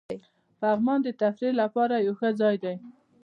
پغمان د تفریح لپاره یو ښه ځای دی.